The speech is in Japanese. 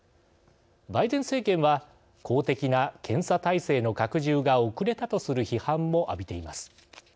バイデン政権は公的な検査体制の拡充が遅れたとする批判も浴びています。